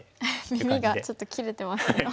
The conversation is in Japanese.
耳がちょっと切れてますが。